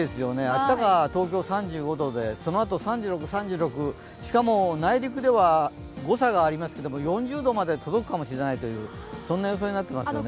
明日が東京３５度でそのあと３６、３６しかも内陸では誤差がありますけども４０度まで届くかもしれないという予想になっていますよね。